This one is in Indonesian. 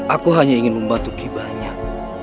aku hanya ingin membantu ki banyak